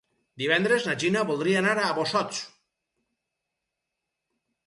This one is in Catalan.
Divendres na Gina voldria anar a Bossòst.